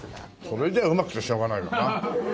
それじゃあうまくてしょうがないわな。